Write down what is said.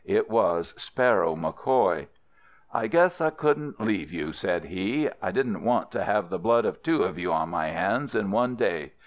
It was Sparrow MacCoy. "'I guess I couldn't leave you,' said he. 'I didn't want to have the blood of two of you on my hands in one day.